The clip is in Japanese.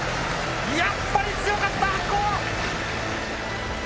やっぱり強かった白鵬！